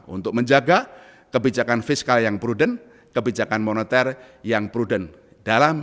untuk menjaga kebijakan fiskal yang prudent kebijakan moneter yang prudent dalam